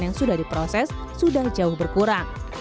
yang sudah diproses sudah jauh berkurang